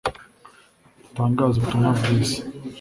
dutangaze ubutumwa bwiza